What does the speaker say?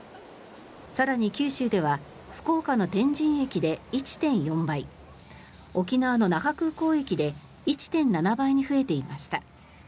更に、九州では福岡の天神駅で１．４倍沖縄の那覇空港駅で１．７倍に増えていました。